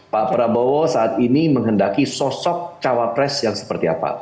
pak prabowo saat ini menghendaki sosok cawapres yang seperti apa